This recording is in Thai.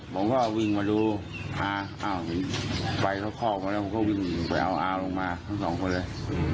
ผมก็วิ่งมาดูไปเข้าข้อมาแล้วผมก็วิ่งไปเอาเหาด์ลงมาทั้งสองคนเลย